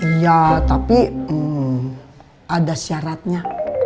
iya tapi ada syaratnya